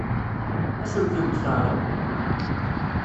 Ad sen-tent-teɛṛeḍ?